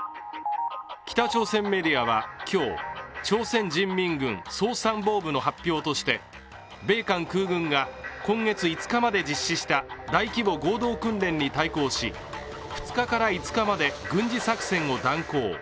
北朝鮮メディアは今日朝鮮人民軍総参謀部の発表として米韓空軍が今月５日まで実施した大規模合同訓練に対抗し、２日から５日まで軍事作戦を断行。